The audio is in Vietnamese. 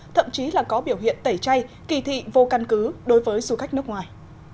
thậm chí là có biểu hiện tẩy chay kỳ thị vô căn cứ đối với du khách nước ngoài